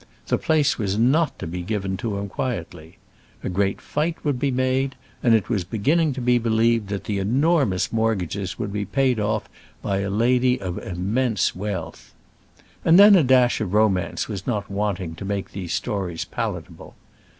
The place was not to be given up to him quietly. A great fight would be made, and it was beginning to be believed that the enormous mortgages would be paid off by a lady of immense wealth. And then a dash of romance was not wanting to make these stories palatable.